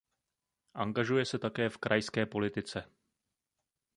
Angažuje se také v krajské politice.